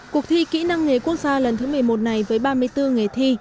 cuộc thi kỹ năng nghề quốc gia lần thứ một mươi một này với ba mươi bốn nghề thi